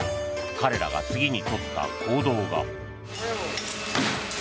彼らが次に取った行動が。